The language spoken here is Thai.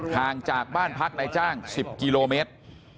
ห่างจากบ้านพักนายจ้าง๑๐กิโลเมตร